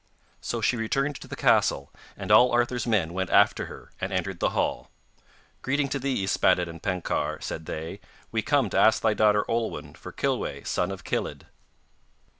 So she returned to the castle, and all Arthur's men went after her, and entered the hall. 'Greeting to thee, Yspaddaden Penkawr,' said they. 'We come to ask thy daughter Olwen for Kilweh, son of Kilydd.